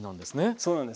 そうなんです。